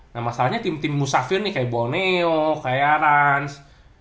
nah masalahnya tim tim musafir nih kayak boneo kayak rans